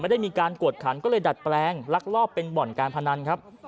ได้มีการกวดขันก็เลยดัดแปลงลักลอบเป็นบ่อนการพนันครับ